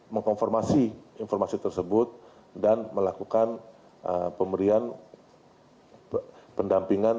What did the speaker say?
mengkonformasi informasi tersebut dan melakukan pemberian pendampingan